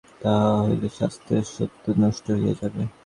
তাহা হইলে শাস্ত্রের শাস্ত্রত্বই নষ্ট হইয়া যাইবে।